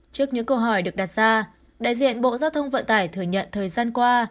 trước những câu hỏi được đặt ra đại diện bộ giao thông vận tải thừa nhận thời gian qua